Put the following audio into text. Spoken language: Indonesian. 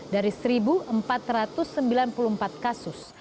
dari satu empat ratus sembilan puluh empat kasus